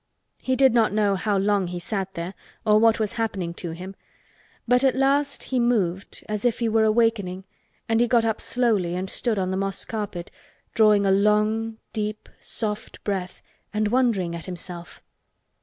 He did not know how long he sat there or what was happening to him, but at last he moved as if he were awakening and he got up slowly and stood on the moss carpet, drawing a long, deep, soft breath and wondering at himself.